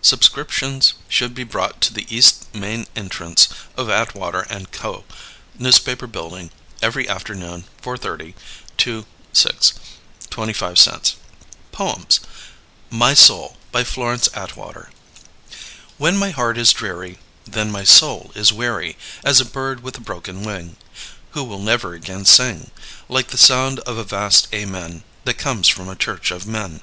Sub scriptions should be brought to the East Main Entrance of Atwater & Co., News paper Building every afternoon 430 to VI 25 Cents POEMS My Soul by Florence Atwater When my heart is dreary Then my soul is weary As a bird with a broken wing Who never again will sing Like the sound of a vast amen That comes from a church of men.